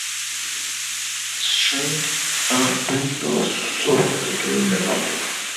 Schenck a Venlo sobre el río Neuss.